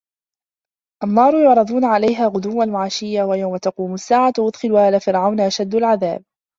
النّارُ يُعرَضونَ عَلَيها غُدُوًّا وَعَشِيًّا وَيَومَ تَقومُ السّاعَةُ أَدخِلوا آلَ فِرعَونَ أَشَدَّ العَذابِ